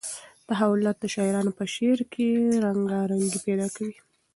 تحولات د شاعرانو په شعر کې رنګارنګي پیدا کوي.